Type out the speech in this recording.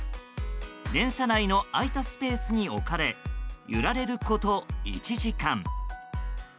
電車内の空いたスペースに置かれ揺られること１時間。